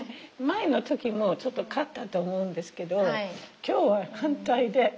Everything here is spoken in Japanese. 前の時もちょっと買ったと思うんですけど今日は反対で。